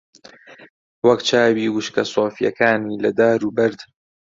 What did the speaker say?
وەک چاوی وشکە سۆفییەکانی لە دار و بەرد